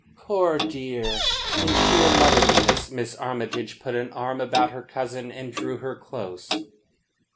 "Poor dear!" In sheer motherliness Miss Armytage put an arm about her cousin and drew her close.